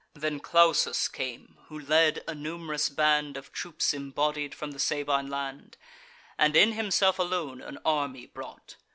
Then Clausus came, who led a num'rous band Of troops embodied from the Sabine land, And, in himself alone, an army brought.